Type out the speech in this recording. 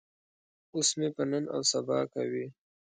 اوس مې په نن او سبا کوي.